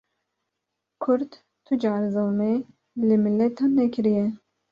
Kurd tu car zilmê li miletan nekiriye